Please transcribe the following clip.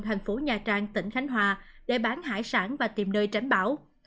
thành phố nha trang tỉnh khánh hòa để bán hải sản và tìm nơi tránh bão